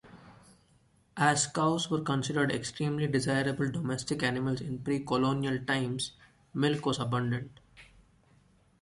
As cows were considered extremely desirable domestic animals in precolonial times, milk was abundant.